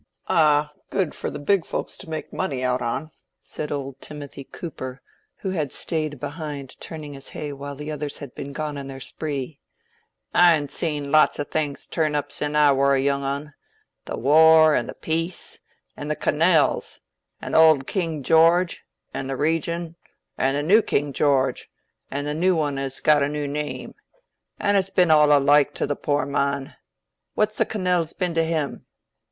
"Aw! good for the big folks to make money out on," said old Timothy Cooper, who had stayed behind turning his hay while the others had been gone on their spree;—"I'n seen lots o' things turn up sin' I war a young un—the war an' the peace, and the canells, an' the oald King George, an' the Regen', an' the new King George, an' the new un as has got a new ne ame—an' it's been all aloike to the poor mon. What's the canells been t' him?